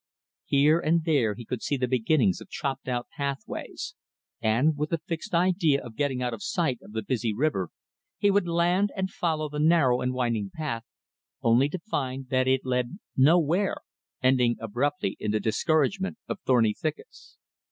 Here and there he could see the beginnings of chopped out pathways, and, with the fixed idea of getting out of sight of the busy river, he would land and follow the narrow and winding path, only to find that it led nowhere, ending abruptly in the discouragement of thorny thickets.